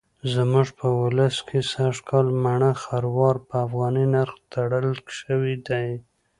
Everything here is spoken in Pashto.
زموږ په ولس کې سږکال مڼه خروار په افغانۍ نرخ تړل شوی دی.